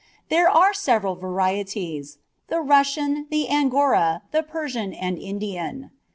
There are several varieties the Russian, the Angora, the Persian, and Indian.